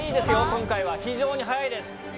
今回は非常に早いです。